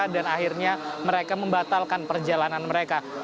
dan akhirnya mereka membatalkan perjalanan mereka